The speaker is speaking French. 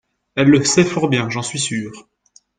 elle le sait fort bien, j'en suis sur.